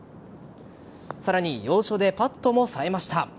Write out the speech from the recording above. さらに要所でパットもさえました。